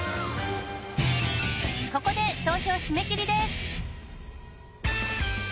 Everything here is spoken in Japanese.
ここで投票締め切りです。